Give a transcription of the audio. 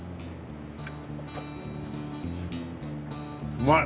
うまい！